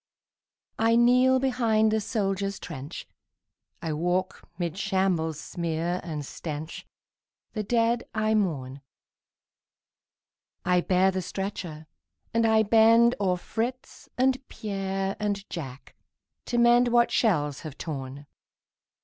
I kneel behind the soldier's trench, I walk 'mid shambles' smear and stench, The dead I mourn; I bear the stretcher and I bend O'er Fritz and Pierre and Jack to mend What shells have torn.